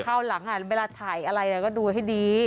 เข้าหลังเวลาถ่ายอะไรก็ดูให้ดี